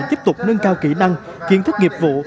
tiếp tục nâng cao kỹ năng kiến thức nghiệp vụ